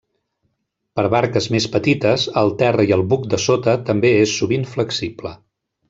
Per barques més petites, el terra i el buc de sota també és sovint flexible.